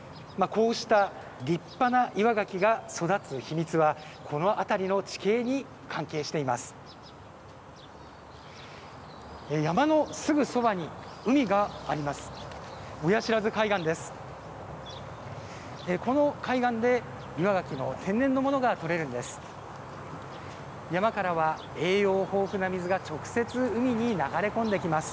こうした立派な岩がきが育つ秘密は、この辺りの地形に関係しています。